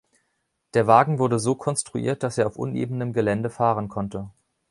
Der Wagen wurde so konstruiert, dass er auf unebenem Gelände fahren konnte.